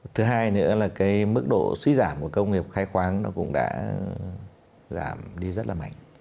thứ hai nữa là cái mức độ suy giảm của công nghiệp khai khoáng nó cũng đã giảm đi rất là mạnh